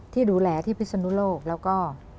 ที่ดูแลที่พิศนุโลกแล้วก็